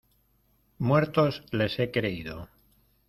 ¡ muertos les he creído!